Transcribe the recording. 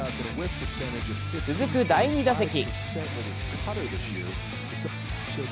続く第２打席。